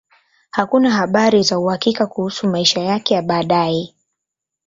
Hakuna habari za uhakika kuhusu maisha yake ya baadaye.